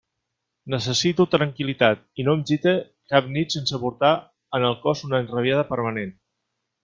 Necessite tranquil·litat, i no em gite cap nit sense portar en el cos una enrabiada permanent.